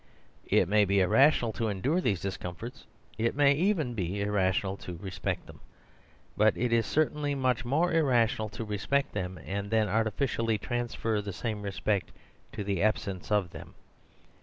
It may be irrational to endure these discomforts; it may even be irrational to respect them. But it is certainly much more irrational to respect them, and then artificially transfer the same respect to the absence of them.